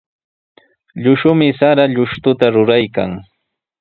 Llushumi sara llushtuta ruraykan.